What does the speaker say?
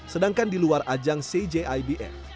sedangkan di luar ajang cgibf